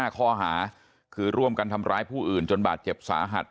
ข้อหาคือร่วมกันทำร้ายผู้อื่นจนบาดเจ็บสาหัส